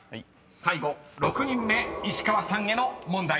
最後６人目石川さんへの問題］